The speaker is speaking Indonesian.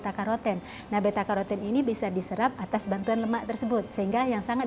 beta karoten nah beta karoten ini bisa diserap atas bantuan lemak tersebut sehingga yang sangat